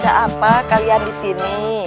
kami sedang kehabisan perbekalan